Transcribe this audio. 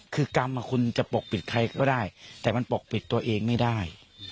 คือกรรมคุณจะปกปิดใครก็ได้แต่มันปกปิดตัวเองไม่ได้